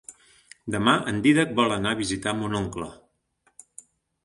Demà en Dídac vol anar a visitar mon oncle.